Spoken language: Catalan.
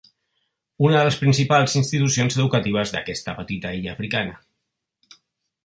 Una de les principals institucions educatives d'aquesta petita illa africana.